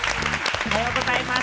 おはようございます。